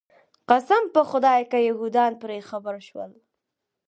قسم په خدای که یهودان پرې خبر شول.